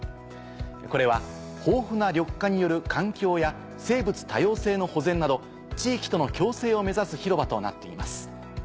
これは豊富な緑化による環境や生物多様性の保全など地域との共生を目指す広場となっています。